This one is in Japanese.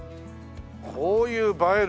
こういう映える。